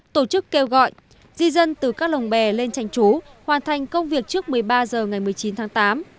tổ chức kêu gọi di dân từ các lồng bè lên tranh trú hoàn thành công việc trước một mươi ba h ngày một mươi chín tháng tám